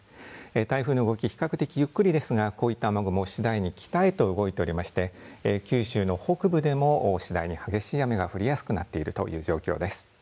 台風の動き比較的ゆっくりですがこういった雨雲、次第に北へと動いておりまして九州の北部でも次第に激しい雨が降りやすくなっているという状況です。